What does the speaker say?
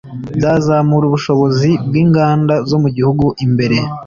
byazamura ubushobozi bw’inganda zo mu gihugu imbere